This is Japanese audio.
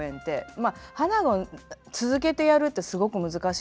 まあ「花子」続けてやるってすごく難しい。